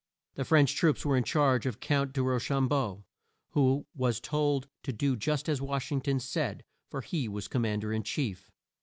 The French troops were in charge of Count de Ro cham beau, who was told to do just as Wash ing ton said; for he was Com mand er in chief.